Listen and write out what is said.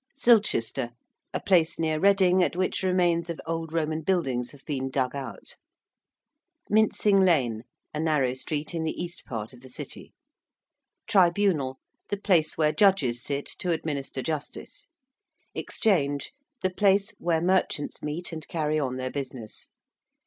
~Silchester~: a place near Reading at which remains of old Roman buildings have been dug out. ~Mincing Lane~: a narrow street in the east part of the City. ~tribunal~: the place where judges sit to administer justice. ~Exchange~: the place where merchants meet and carry on their business.